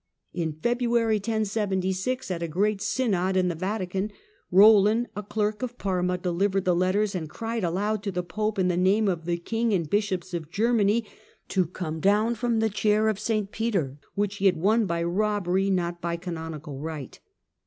In February 1076, at a great Synod in the Vatican, Roland, a clerk of Parma, delivered the letters, and cried aloud to the Pope, in the name of the King and bishops of Ger many, to come down from the chair of St Peter, which he had won by robbery, not by canonical right.